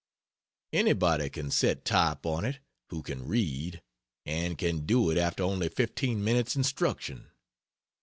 Anybody can set type on it who can read and can do it after only 15 minutes' instruction.